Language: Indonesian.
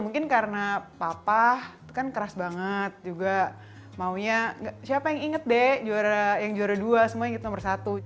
mungkin karena papa kan keras banget juga maunya siapa yang inget deh yang juara dua semua yang kita nomor satu